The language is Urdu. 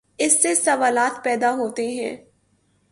اس سے سوالات پیدا ہوتے ہیں۔